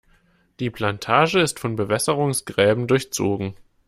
Die Plantage ist von Bewässerungsgräben durchzogen.